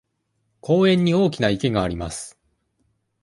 公園に大きな池があります。